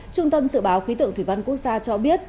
trung tâm dự báo khí tượng thủy văn quốc gia cho biết